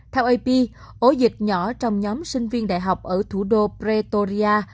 theo ap ổ dịch nhỏ trong nhóm sinh viên đại học ở thủ đô pretoria